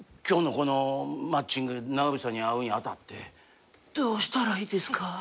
「今日のこのマッチング長渕さんに会うに当たってどうしたらいいですか」